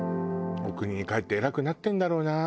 お国に帰って偉くなってるんだろうな彼。